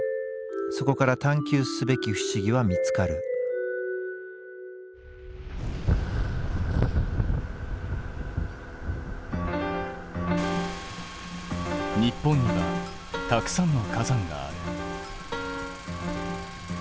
そこから探究すべき不思議は見つかる日本にはたくさんの火山がある。